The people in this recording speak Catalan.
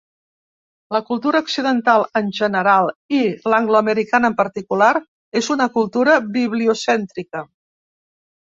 La cultura occidental en general i l'angloamericana en particular, és una cultura bibliocèntrica .